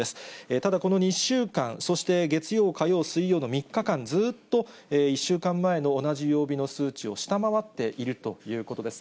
ただこの２週間、そして月曜、火曜、水曜の３日間、ずっと、１週間前の同じ曜日の数値を下回っているということです。